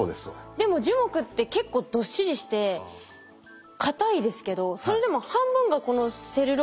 でも樹木って結構どっしりしてかたいですけどそれでも半分がこのセルロースっていうことですよね。